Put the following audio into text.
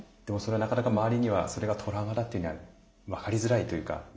でもそれはなかなか周りにはそれがトラウマだっていうのは分かりづらいというか。